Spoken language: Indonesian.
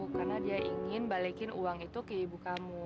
karena dia ingin balikin uang itu ke ibu kamu